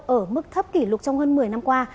ở mức thấp kỷ lục trong hơn một mươi năm qua